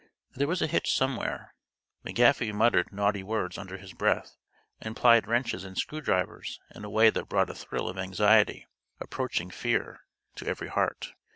There was a hitch somewhere; McGaffey muttered naughty words under his breath and plied wrenches and screwdrivers in a way that brought a thrill of anxiety, approaching fear, to every heart.